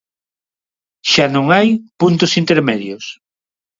Xa non hai puntos intermedios.